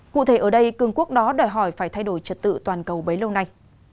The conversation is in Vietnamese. cụ thể ở đây cường quốc đó đòi hỏi phải thay đổi trật tự toàn cầu bấy lâu nay